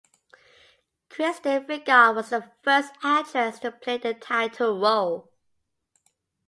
Kristen Vigard was the first actress to play the title role.